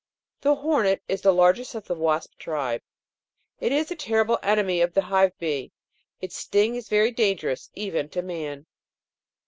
The hornet is the largest of the wasp tribe. It is a terrible enemy of the hive bee ; its sting is very dangerous even to man.